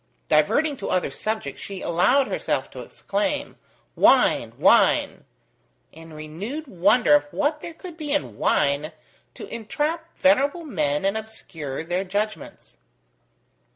Diverting to other subjects, she allowed herself to exclaim, "Wine, wine!" in renewed wonder of what there could be in wine to entrap venerable men and obscure their judgements.